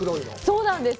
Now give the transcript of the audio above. そうなんです。